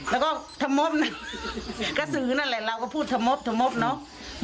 แล้วก็ถมบนะกระซื้อนั่นแหละเราก็พูดถมบเนาะ